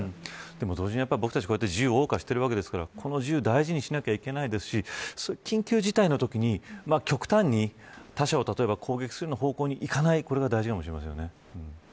同時に僕たちは自由をおう歌しているわけですから自由を大事にしていかなければいけないですし緊急事態のときに極端に他者を攻撃する方向にいかないことが大事かもしれませんね。